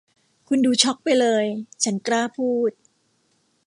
คุณดูช็อคไปเลย ฉันกล้าพูด